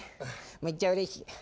めっちゃうれしい。